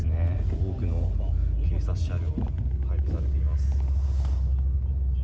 多くの警察車両が配備されています。